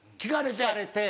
聞かれて。